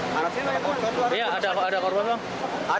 banyak yang kenal